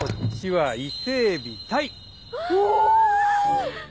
はい！